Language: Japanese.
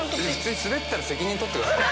滑ったら責任取ってくださいよ。